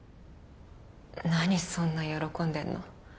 何そんな喜んでんの？